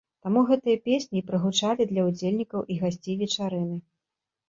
Таму гэтыя песні і прагучалі для ўдзельнікаў і гасцей вечарыны.